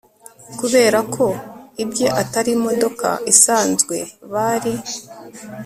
kubera ko ibye atari imodoka isanzwe) bari